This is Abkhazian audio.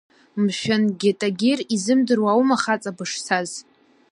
Мшәан, Гьетагьир изымдыруа аума хаҵа бышцаз?